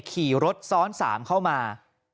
ขี่รถซ้อน๓เข้ามา